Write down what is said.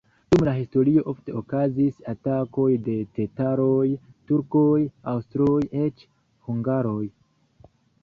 Dum la historio ofte okazis atakoj de tataroj, turkoj, aŭstroj, eĉ hungaroj.